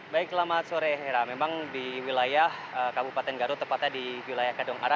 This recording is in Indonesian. baik selamat sore memang di wilayah kabupaten garut tepatnya di wilayah kadung ora